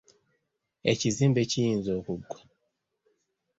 Ekizimbe kiyinza okugwa .